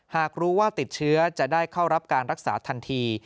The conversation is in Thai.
หากรู้ว่าติดเชื้อจะได้เข้ารับการรักษาทันที